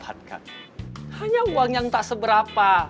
saya dapatkan hanya uang yang tak seberapa